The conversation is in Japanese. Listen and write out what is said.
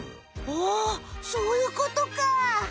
ほうそういうことか！